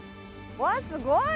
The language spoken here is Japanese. わあすごい！